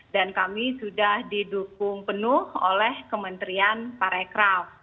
dan kami sudah didukung penuh oleh kementerian pariwisata